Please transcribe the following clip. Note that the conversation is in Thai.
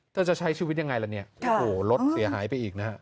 จะใช้ชีวิตยังไงล่ะเนี่ยโอ้โหรถเสียหายไปอีกนะฮะ